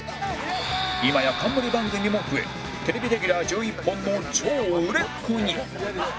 今や冠番組も増えテレビレギュラー１１本の超売れっ子に